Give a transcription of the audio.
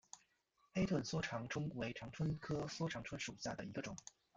黑盾梭长蝽为长蝽科梭长蝽属下的一个种。